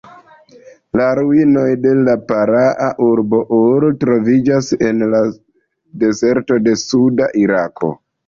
La ruinoj de la praa urbo Ur troviĝas en la dezerto de suda Irako.